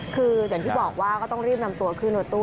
คืออย่างที่บอกว่าก็ต้องรีบนำตัวขึ้นรถตู้